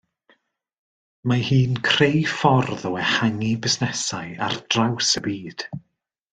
Mae hi'n creu ffordd o ehangu busnesau ardraws y byd